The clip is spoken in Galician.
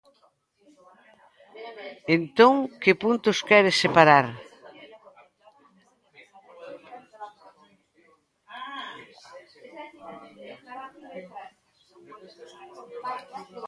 Entón, ¿que puntos quere separar?